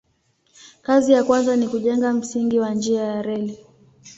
Kazi ya kwanza ni kujenga msingi wa njia ya reli.